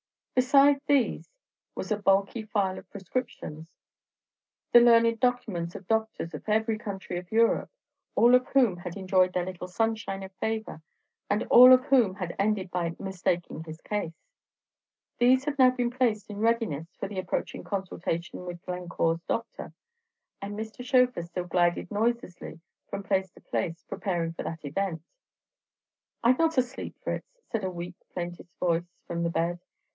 Beside these was a bulky file of prescriptions, the learned documents of doctors of every country of Europe, all of whom had enjoyed their little sunshine of favor, and all of whom had ended by "mistaking his case." These had now been placed in readiness for the approaching consultation with "Glencore's doctor;" and Mr. Schöfer still glided noiselessly from place to place, preparing for that event. "I 'm not asleep, Fritz," said a weak, plaintive voice from the bed.